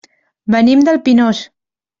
Venim del Pinós.